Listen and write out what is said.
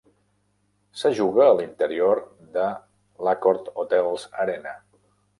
Se juga a l'interior de l'AccorHotels Arena.